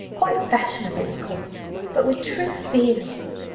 Quite fashionable, of course, but with true feeling.